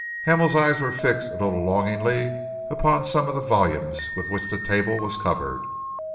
Hamel's eyes were fixed a little longingly upon some of the volumes with which the table was covered.